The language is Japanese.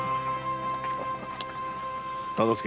忠相。